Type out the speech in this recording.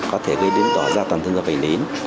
có thể gây đến tỏa gia toàn thân vào vẩy nến